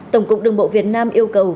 tổng cục đường bộ việt nam yêu cầu